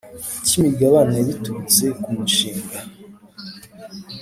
cy imigabane biturutse ku mushinga